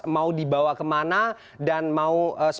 mau dibawa kemana dan mau